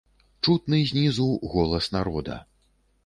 Чутны знізу голас народа.